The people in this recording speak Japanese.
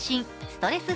ストレス